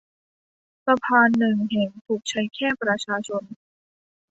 สะพานหนึ่งแห่งถูกใช้แค่ประชาชน